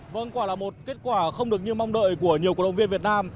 vâng quả là một kết quả không được như mong đợi của nhiều cổ động viên việt nam